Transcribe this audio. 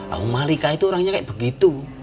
ah malika itu orangnya seperti begitu